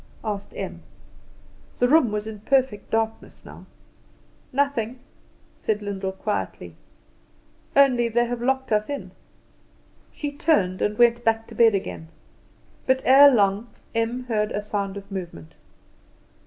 asked Em. The room was in perfect darkness now. "Nothing," said Lyndall quietly; "only they have locked us in." She turned, and went back to bed again. But ere long Em heard a sound of movement.